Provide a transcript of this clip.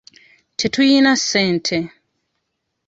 Tetuyina ssente.